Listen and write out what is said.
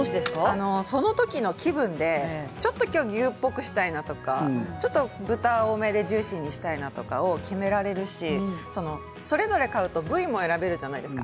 その時の気分で今日はちょっと牛っぽくしたいとか豚多めでジューシーにしたいとか決められるしそれぞれ買うと部位も選べるじゃないですか。